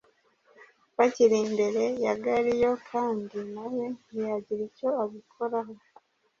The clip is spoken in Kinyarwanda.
Bakiri imbere ya Galiyo, kandi nawe ntiyagira icyo abikoraho,